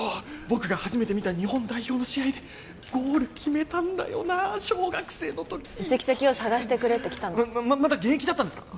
僕が初めて見た日本代表の試合でゴール決めたんだよなあ小学生の時移籍先を探してくれって来たのまだ現役だったんですか？